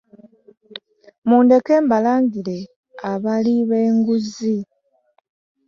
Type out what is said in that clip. Mundeke mbalangire abali b'enguzi .